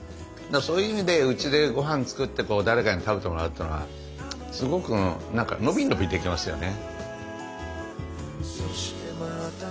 そういう意味でうちでごはん作って誰かに食べてもらうってのはすごく何かのびのびできますよね。